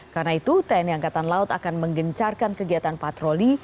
karena itu tni angkatan laut akan menggencarkan kegiatan patroli